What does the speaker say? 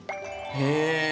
へえ！